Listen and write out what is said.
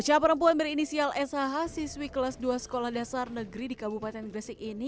bocah perempuan berinisial shh siswi kelas dua sekolah dasar negeri di kabupaten gresik ini